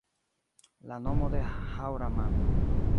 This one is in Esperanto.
La nomo de Haŭraman